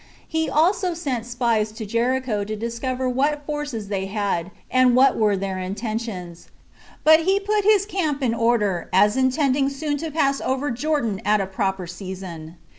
He also sent spies to Jericho to discover what forces they had, and what were their intentions; but he put his camp in order, as intending soon to pass over Jordan at a proper season.